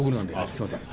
すみません。